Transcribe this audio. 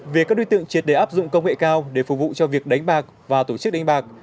về các đối tượng triệt đề áp dụng công nghệ cao để phục vụ cho việc đánh bạc và tổ chức đánh bạc